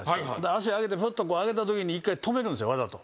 足上げてフッと上げたときに一回止めるんですよわざと。